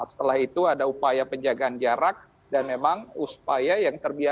setelah itu ada upaya penjagaan jarak dan memang upaya yang terbiasa